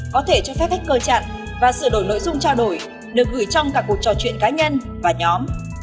có thể cho phép khách cơ chặn và sửa đổi nội dung trao đổi được gửi trong cả cuộc trò chuyện cá nhân và nhóm